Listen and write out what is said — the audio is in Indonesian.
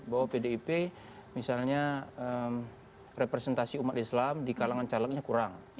bahwa pdip misalnya representasi umat islam di kalangan calegnya kurang